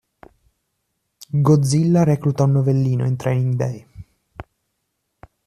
Godzilla recluta un novellino in Training Day.